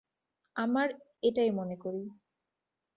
আমার এটাই মনে করি।